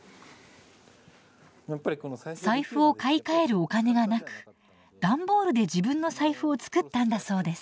財布を買い替えるお金がなく段ボールで自分の財布を作ったんだそうです。